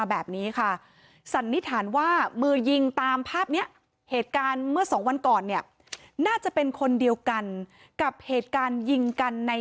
แบบนี้ค่ะสันนิษฐานว่ามือยิงตามภาพนี้เหตุการณ์เมื่อสองวันก่อนเนี่ยน่าจะเป็นคนเดียวกันกับเหตุการณ์ยิงกันใน